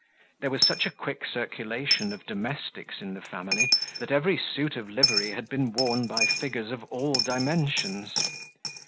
There was such a quick circulation of domestics in the family, that every suit of livery had been worn by figures of all dimensions.